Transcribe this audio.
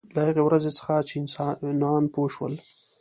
له هغې ورځې څخه چې انسانان پوه شول.